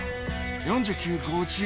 ４９・５０